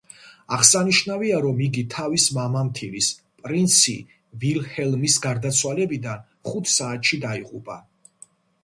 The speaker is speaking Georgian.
აღსანიშნავია, რომ იგი თავისი მამამთილის, პრინცი ვილჰელმის გარდაცვალებიდან ხუთ საათში დაიღუპა.